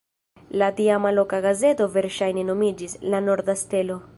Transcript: La tiama loka gazeto verŝajne nomiĝis "La Norda Stelo".